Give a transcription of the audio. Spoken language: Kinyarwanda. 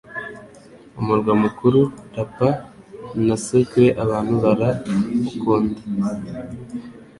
Umurwa mukuru: La Paz na Sucre abantu bara w’ukunda